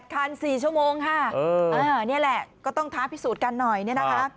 คัน๔ชั่วโมงค่ะนี่แหละก็ต้องท้าพิสูจน์กันหน่อยเนี่ยนะคะ